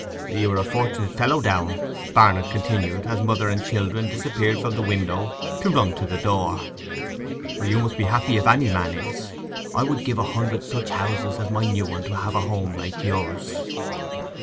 'You are a fortunate fellow, Downe,' Barnet continued, as mother and children disappeared from the window to run to the door. 'You must be happy if any man is. I would give a hundred such houses as my new one to have a home like yours.